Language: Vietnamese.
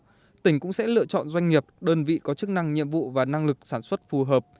tuy nhiên tỉnh cũng sẽ lựa chọn doanh nghiệp đơn vị có chức năng nhiệm vụ và năng lực sản xuất phù hợp